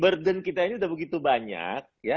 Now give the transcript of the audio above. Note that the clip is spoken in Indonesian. burden kita ini udah begitu banyak